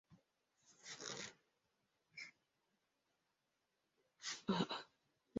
Walianzisha makabila mapya na kuchagua viongozi wao.